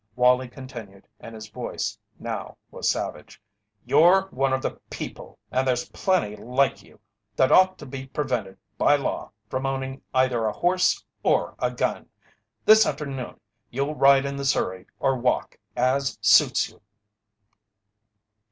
Wallie continued and his voice now was savage: "You're one of the people, and there's plenty like you, that ought to be prevented by law from owning either a horse or a gun. This afternoon you'll ride in the surrey or walk, as suits you."